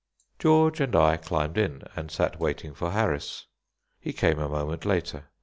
George and I climbed in, and sat waiting for Harris. He came a moment later.